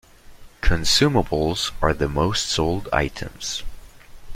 Consumables are the most sold items.